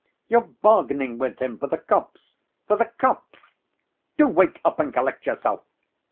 "You're bargaining with him for the copse, for the copse. Do wake up, and collect yourself.